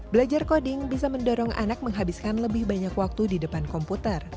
belajar coding bisa mendorong anak menghabiskan lebih banyak waktu di depan komputer